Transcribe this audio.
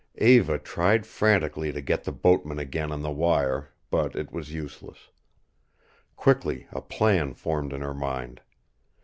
Eva tried frantically to get the boatman again on the wire, but it was useless. Quickly a plan formed in her mind.